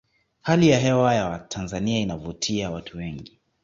hali ya hewa ya tanzania inavutia watu wengi